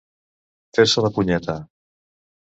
Fer-se la punyeta.